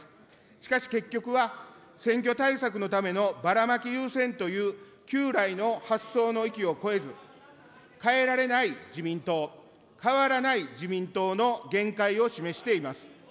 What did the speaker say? しかし、結局は、選挙対策のためのバラマキ優先という旧来の発想の域を超えず、変えられない自民党、変わらない自民党の限界を示しています。